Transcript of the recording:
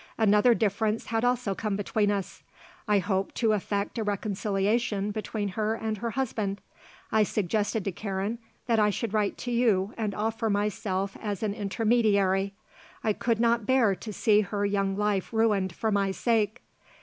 Another difference had also come between us. I hoped to effect a reconciliation between her and her husband; I suggested to Karen that I should write to you and offer myself as an intermediary; I could not bear to see her young life ruined for my sake.